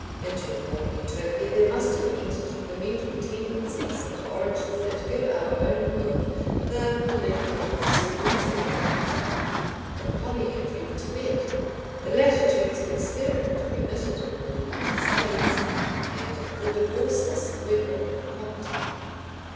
Into the modern Utopia there must have entered the mental tendencies and origins that give our own world the polygamy of the Zulus and of Utah, the polyandry of Tibet, the latitudes of experiment permitted in the United States, and the divorceless wedlock of Comte.